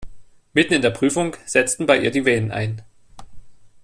Mitten in der Prüfung setzten bei ihr die Wehen ein.